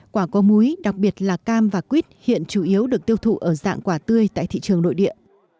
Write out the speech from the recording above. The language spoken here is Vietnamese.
quả có múi đặc biệt là cam và quýt hiện chủ yếu được tiêu thụ ở dạng quả tươi tại thị trường nội địa